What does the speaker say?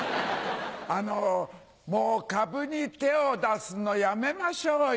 あのもう株に手を出すのやめましょうよ。